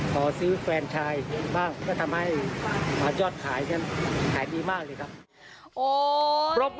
ขอซื้อแฟนชายบ้างก็ทำให้ยอดขายกันขายดีมากเลยครับ